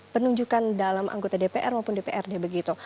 penunjukan dalam anggota dpr maupun dprd begitu